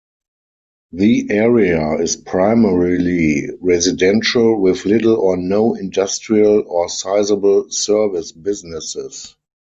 The area is primarily residential with little or no industrial or sizable service businesses.